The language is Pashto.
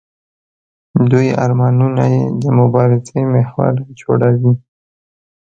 دوی ارمانونه یې د مبارزې محور جوړوي.